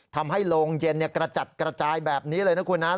ทำให้โรงเย็นกระจัดกระจายแบบนี้เลยนะคุณนะ